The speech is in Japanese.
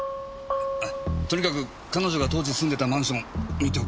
とにかく彼女が当時住んでたマンション見ておきましょうか。